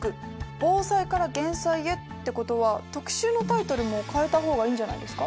防災から減災へってことは特集のタイトルも変えた方がいいんじゃないですか？